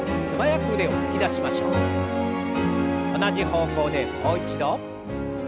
同じ方向でもう一度。